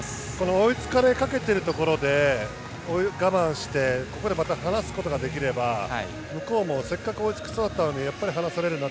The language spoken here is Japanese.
追いつかれかけてるところで我慢してここでまた離すことができれば、向こうもせっかく追いつきそうだったのにやっぱり離されるんだ。